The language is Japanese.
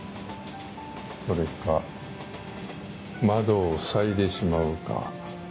それか窓をふさいでしまうか。